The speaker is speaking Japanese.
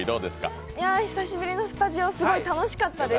久しぶりのスタジオすごい楽しかったです！